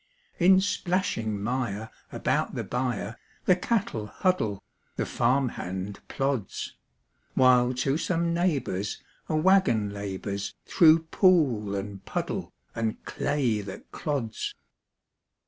In splashing mire about the byre The cattle huddle, the farm hand plods; While to some neighbor's a wagon labors Through pool and puddle and clay that clods.